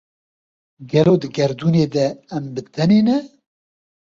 Gelo di gerdûnê de em bi tenê ne?